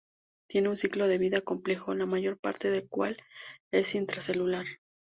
Tiene un ciclo de vida complejo, la mayor parte del cual es intracelular.